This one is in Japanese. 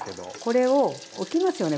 これを置きますよね